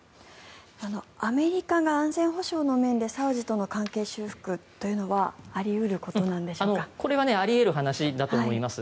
アメリカが安全保障の面でサウジとの関係修復というのはこれはあり得る話だと思います。